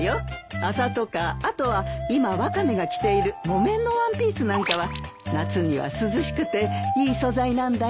麻とかあとは今ワカメが着ている木綿のワンピースなんかは夏には涼しくていい素材なんだよ。